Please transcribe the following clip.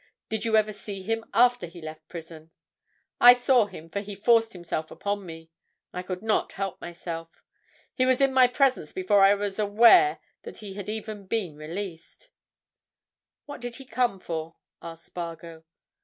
Did you ever see him after he left prison?" "I saw him, for he forced himself upon me—I could not help myself. He was in my presence before I was aware that he had even been released." "What did he come for?" asked Spargo.